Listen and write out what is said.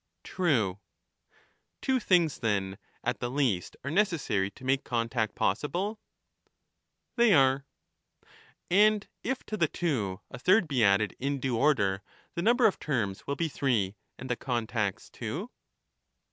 True. Two things, then, at the least are necessary to make con tact possible ? They are. And if to the two a third be added in due order, the number of terms will be three, and the contacts two